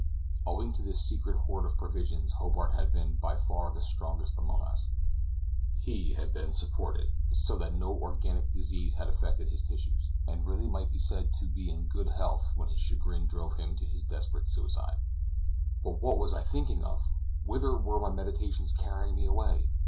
Owing to his secret hoard of provisions Hobart had been by far the strongest among us; he had been supported, so that no organic disease had affected his tissues, and really might be said to be in good health when his chagrin drove him to his desperate suicide. But what was I thinking of! whither were my meditations carrying me away?